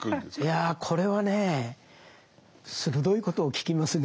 いやこれはね鋭いことを聞きますね。